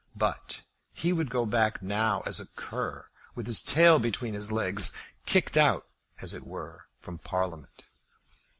But he would go back now as a cur with his tail between his legs, kicked out, as it were, from Parliament.